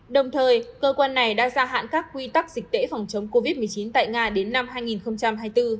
đồng thời cơ quan này đã gia hạn các quy tắc dịch tễ phòng chống covid một mươi chín tại nga đến năm hai nghìn hai mươi bốn